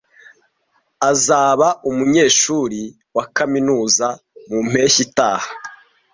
Azaba umunyeshuri wa kaminuza mu mpeshyi itaha.